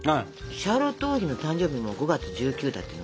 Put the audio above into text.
シャーロット王妃の誕生日も５月１９だっていうの知ってたの？